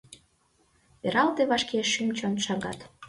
Пералта вашке шӱм-чон шагат.